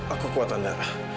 aku kuat andara